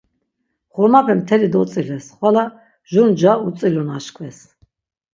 Xurmape mteli dotziles, xvala jur nca utzilu naşkves.